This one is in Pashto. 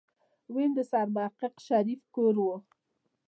ويم د سرمحقق شريف کور دی.